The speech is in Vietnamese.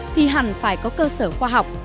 thì hẳn phải có cơ sở khoa học